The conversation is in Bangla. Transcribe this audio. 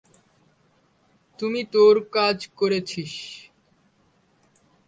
তুমি তোর কাজ করেছিস।